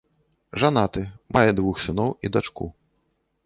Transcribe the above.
Жанаты, мае двух сыноў і дачку.